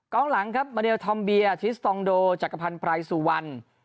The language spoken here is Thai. กล้องหลังครับมะเนียลธอมเบียทริสตองโดจักรพันธ์พรายสุวรรณ